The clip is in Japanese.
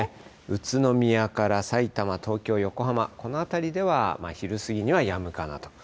宇都宮からさいたま、東京、横浜、この辺りでは昼過ぎにはやむかなと。